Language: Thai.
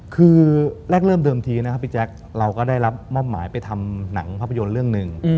คือแรกเริ่มเดิมทีนะครับพี่แจ๊คเราก็ได้รับมอบหมายไปทำหนังภาพยนตร์เรื่องหนึ่ง